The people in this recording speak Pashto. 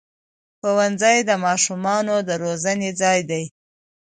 ښوونځی د ماشومانو د روزنې ځای دی